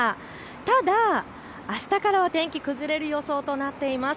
ただあしたからは天気、崩れる予想となっています。